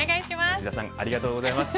内田さんありがとうございます。